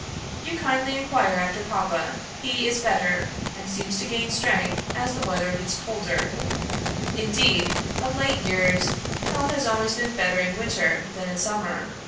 "You kindly inquire after Papa. He is better, and seems to gain strength as the weather gets colder; indeed, of late years health has always been better in winter than in summer.